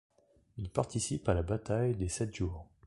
Il participe à la bataille des sept jours.